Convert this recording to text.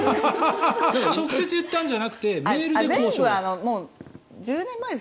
直接言ったんじゃなくてメールで？